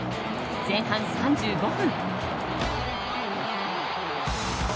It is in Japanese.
前半３５分。